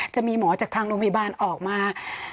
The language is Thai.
จะมีหมอจากทางโรงพยาบาลออกมา